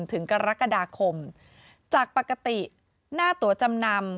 ถึงกรกฎาคมจากปกติหน้าตัวจำนำ